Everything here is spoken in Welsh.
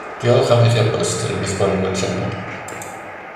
Diolch am eich e-bost yn esbonio'r trefniadau